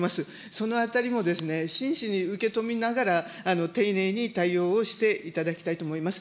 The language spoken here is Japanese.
そのあたりも真摯に受け止めながら、丁寧に対応をしていただきたいと思います。